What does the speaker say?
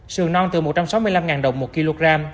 sườn non từ một trăm sáu mươi năm đồng một kg